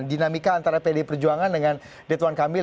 dinamika antara pdi perjuangan dengan ridwan kamil